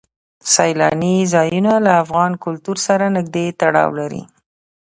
سیلاني ځایونه له افغان کلتور سره نږدې تړاو لري.